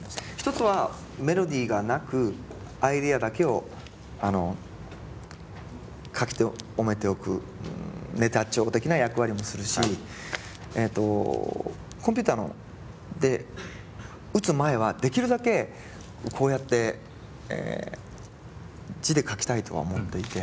１つはメロディーがなくアイデアだけを書き留めておくネタ帳的な役割もするしえっとコンピューターで打つ前はできるだけこうやって字で書きたいとは思っていて。